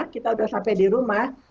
kita sudah sampai di rumah